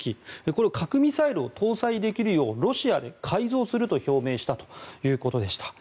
これ核ミサイルを搭載できるようロシアで改造すると表明したということでした。